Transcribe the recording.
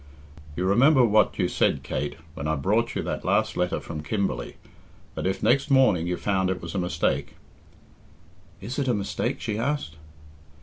"You remember what you said, Kate, when I brought you that last letter from Kimberley that if next morning you found it was a mistake " "Is it a mistake?" she asked.